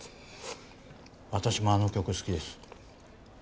私もあの曲好きです。